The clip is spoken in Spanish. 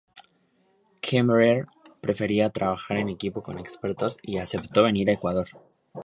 Kemmerer prefería trabajar en equipo con expertos y aceptó venir a Ecuador.